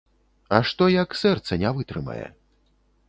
А што, як сэрца не вытрымае?